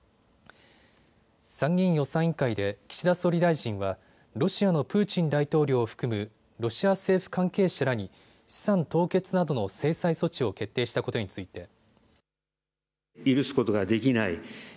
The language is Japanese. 参議院予算委員会で岸田総理大臣はロシアのプーチン大統領を含むロシア政府関係者らに資産凍結などの制裁措置を決定したことについて。